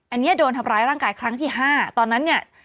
อันนี้โดนทำร้ายร่างกายครั้งที่๕ตอนนั้นเนี่ย